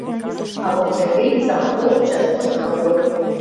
А вот Серге изам кол кучаш коштын огыл.